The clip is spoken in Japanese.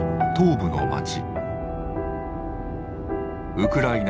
ウクライナ